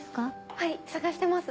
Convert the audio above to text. はい探してます。